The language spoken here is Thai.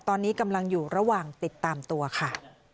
ตอนนี้กำลังอยู่ระหว่างติดตามตัวค่ะ